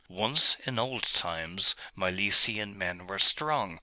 '"Once, in old times, Milesian men were strong."